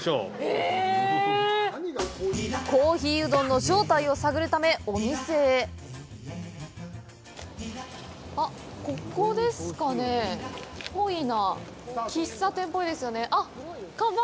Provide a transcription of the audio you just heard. えぇ「コーヒーうどん」の正体を探るためお店へあっここですかねっぽいな喫茶店ぽいですよねあっ！